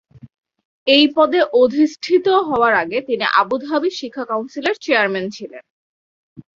এই পদে অধিষ্ঠিত হওয়ার আগে তিনি আবুধাবি শিক্ষা কাউন্সিল এর চেয়ারম্যান ছিলেন।